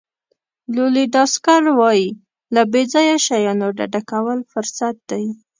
لولي ډاسکل وایي له بې ځایه شیانو ډډه کول فرصت دی.